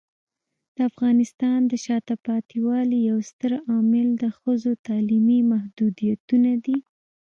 د افغانستان د شاته پاتې والي یو ستر عامل د ښځو تعلیمي محدودیتونه دي.